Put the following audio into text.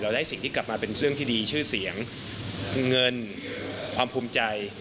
ได้สิ่งที่กลับมาเป็นเรื่องที่ดีชื่อเสียงเงินความภูมิใจ